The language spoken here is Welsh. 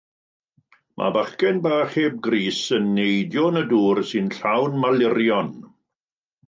Mae bachgen bach heb grys yn neidio yn y dŵr sy'n llawn malurion.